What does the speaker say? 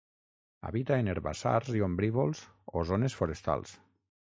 Habita en herbassars i ombrívols o zones forestals.